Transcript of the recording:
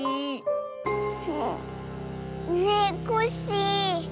ねえコッシー。